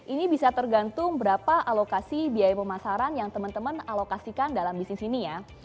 ini bisa tergantung berapa alokasi biaya pemasaran yang teman teman alokasikan dalam bisnis ini ya